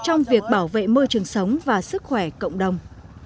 trong việc bảo vệ môi trường sống và sức khỏe cộng đồng